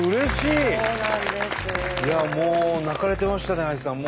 いやもう泣かれてましたねＡＩさん